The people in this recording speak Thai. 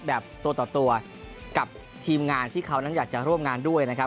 แบบตัวต่อตัวกับทีมงานที่เขานั้นอยากจะร่วมงานด้วยนะครับ